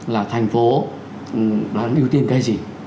là thành phố đang ưu tiên cái gì